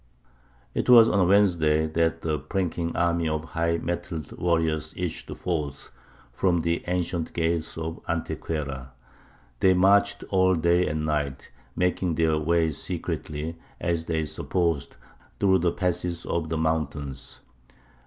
"It was on a Wednesday that the pranking army of high mettled warriors issued forth from the ancient gates of Antequera. They marched all day and night, making their way secretly, as they supposed, through the passes of the mountains.